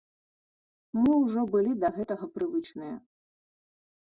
Мы ўжо былі да гэтага прывычныя.